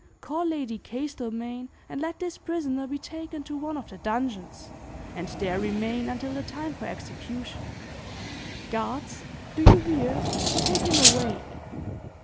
Call Lady Castlemaine, and let this prisoner be taken to one of the dungeons, and there remain until the time for execution. Guards, do you hear? Take him away!"